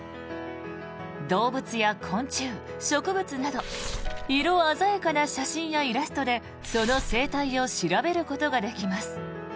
動物や昆虫、植物など色鮮やかな写真やイラストでその生態を調べることができます。